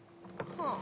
はあ。